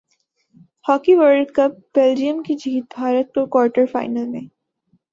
hockey world cup Belgium کی جیت Bharat quarter final میں